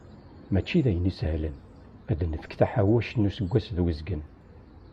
Mačči d ayen isehlen, ad d-nefk taḥawact n useggas d uzgen.